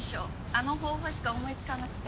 あの方法しか思いつかなくて。